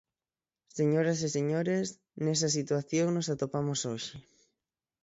Señoras e señores, nesa situación nos atopamos hoxe.